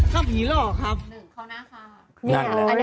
ก็ผีหล่อครับ